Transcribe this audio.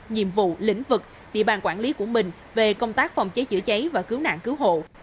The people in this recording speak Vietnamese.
nhiệm vụ lĩnh vực địa bàn quản lý của mình về công tác phòng cháy chữa cháy và cứu nạn cứu hộ